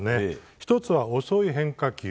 １つは遅い変化球。